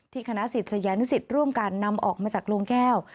ที่คณะศิษยานุศิษย์ร่วมการนำออกมาจากโรงแก้ว